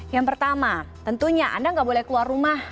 yang pertama tentunya anda nggak boleh keluar rumah